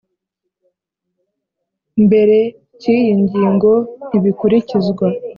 Mbere cy iyi ngingo ntibikurikizwa